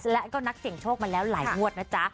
และก็นักเสี่ยงโชคมาแล้วหลายงวดนะจ๊ะ